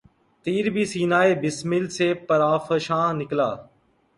تیر بھی سینہٴ بسمل سے پرافشاں نکلا